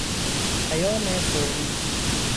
پیام فوری